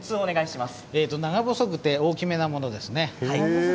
長細くて大きめなものですね。